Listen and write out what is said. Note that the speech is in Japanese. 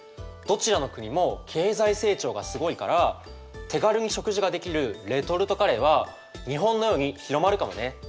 どちらの国も経済成長がすごいから手軽に食事ができるレトルトカレーは日本のように広まるかもね。